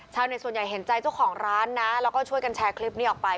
ส่วนใหญ่เห็นใจเจ้าของร้านนะแล้วก็ช่วยกันแชร์คลิปนี้ออกไป